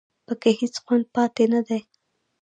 په کې هېڅ خوند پاتې نه دی